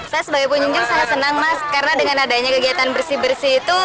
saya sebagai pengunjung sangat senang mas karena dengan adanya kegiatan bersih bersih itu